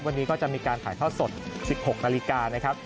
วันนี้ก็จะมีการถ่ายทอดสด๑๖นาฬิกานะครับ